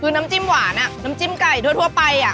คือน้ำจิ้มหวานน้ำจิ้มไก่ทั่วไป